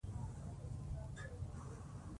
زردالو د افغانستان د شنو سیمو ښکلا ده.